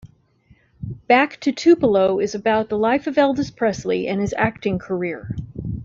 "Back to Tupelo" is about the life of Elvis Presley and his acting career.